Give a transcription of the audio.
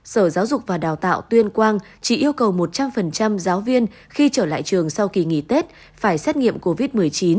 sở giáo dục và đào tạo tuyên quang chỉ yêu cầu một trăm linh giáo viên khi trở lại trường sau kỳ nghỉ tết phải xét nghiệm covid một mươi chín